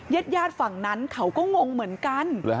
ญาติฝั่งนั้นเขาก็งงเหมือนกัน